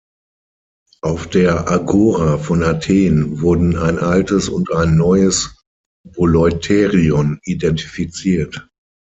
Auf der Agora von Athen wurden ein altes und ein neues Buleuterion identifiziert.